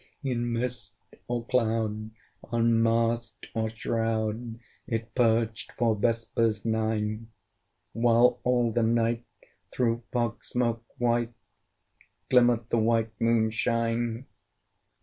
In mist or cloud, on mast or shroud, It perched for vespers nine; Whiles all the night, through fog smoke white, Glimmered the white Moon shine.